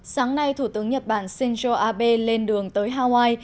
sáng nay thủ tướng nhật bản shinzo abe lên đường tới hawaii